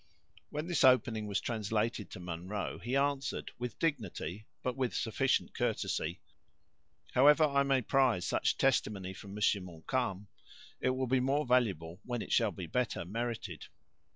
When this opening was translated to Munro, he answered with dignity, but with sufficient courtesy: "However I may prize such testimony from Monsieur Montcalm, it will be more valuable when it shall be better merited."